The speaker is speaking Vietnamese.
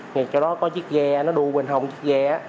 ngay chỗ đó có chiếc ghe nó đu bên hông chiếc ghe á